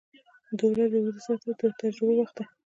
• د ورځې اوږده ساعته د تجربو وخت دی.